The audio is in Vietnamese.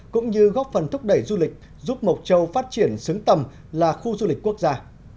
cũng như góp phần thúc đẩy du lịch giúp mộc châu phát triển xứng tầm là khu du lịch quốc gia